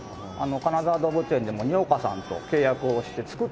金沢動物園でも農家さんと契約をして作って。